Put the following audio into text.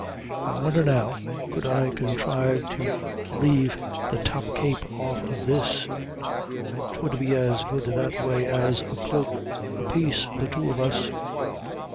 I won'er, now, could I conthrive to reive the top cape off of this. 'Twould be as good that way as a cloak apiece for the two of us."